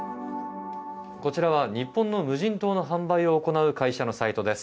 こちらは日本の無人島の販売を行う会社のサイトです。